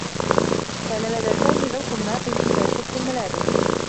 كان لدى سامي ذوق راق في ما يخصّ الملابس.